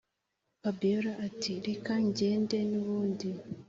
fabiora ati”reka ngende nubundi